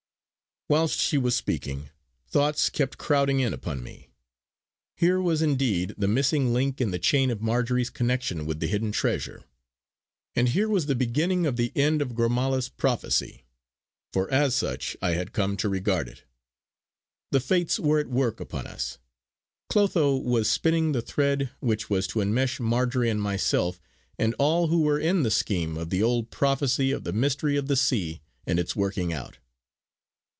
Whilst she was speaking, thoughts kept crowding in upon me. Here was indeed the missing link in the chain of Marjory's connection with the hidden treasure; and here was the beginning of the end of Gormala's prophecy, for as such I had come to regard it. The Fates were at work upon us. Clotho was spinning the thread which was to enmesh Marjory and myself and all who were in the scheme of the old prophecy of the Mystery of the Sea and its working out.